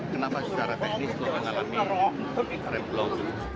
kenapa secara teknis kita mengalami rem blok